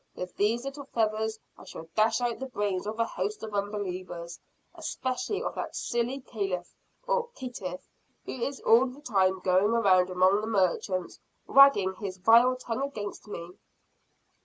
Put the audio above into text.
With these little feathers I shall dash out the brains of a host of unbelievers especially of that silly Calef, or Caitiff, who is all the time going around among the merchants, wagging his vile tongue against me."